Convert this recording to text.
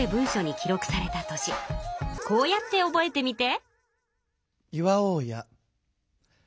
こうやって覚えてみて。